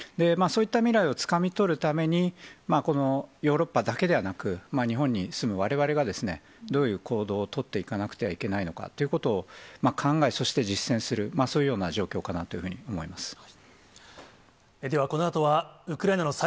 そういった未来をつかみ取るために、このヨーロッパだけではなく、日本に住むわれわれが、どういう行動を取っていかなくてはいけないのかということを考え、そして実践する、そういうような状況かなというふうに思います。